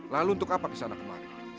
lalu untuk apa kisanak kemarin